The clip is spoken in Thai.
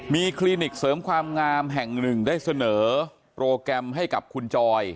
มีคลินิกเสริมความงามแห่งหนึ่งได้เสนอโปรแกรมให้กับคุณจอย